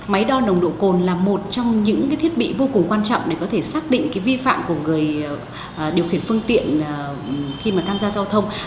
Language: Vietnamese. máy đo nồng độ cồn là một trong những thiết bị vô cùng quan trọng để có thể xác định vi phạm của người điều khiển phương tiện khi mà tham gia giao thông